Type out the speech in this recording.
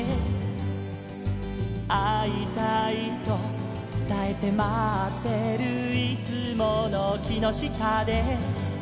「会いたいとつたえて待ってるいつもの木の下で」